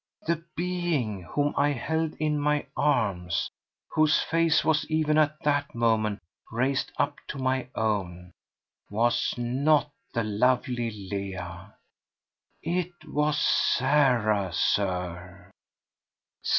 The being whom I held in my arms, whose face was even at that moment raised up to my own, was not the lovely Leah! It was Sarah, Sir!